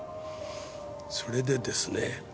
それでですね